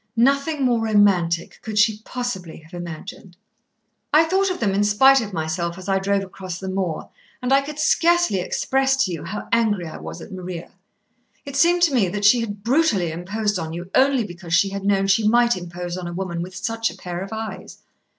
Nothing more romantic could she possibly have imagined. "I thought of them in spite of myself as I drove across the moor, and I could scarcely express to you how angry I was at Maria. It seemed to me that she had brutally imposed on you only because she had known she might impose on a woman with such a pair of eyes.